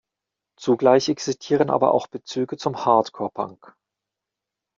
Zugleich existieren aber auch Bezüge zum Hardcore Punk.